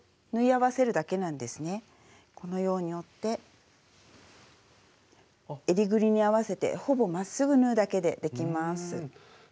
このように折ってえりぐりに合わせてほぼまっすぐ縫うだけでできます。